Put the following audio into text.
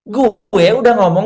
gue udah ngomong